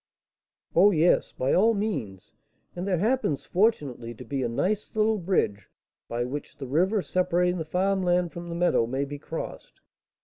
"Oh, yes! by all means; and there happens, fortunately, to be a nice little bridge, by which the river separating the farm land from the meadow may be crossed.